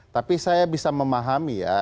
tapi saya bisa memahami ya